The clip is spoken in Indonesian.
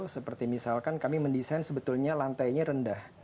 seperti misalkan kami mendesain sebetulnya lantainya rendah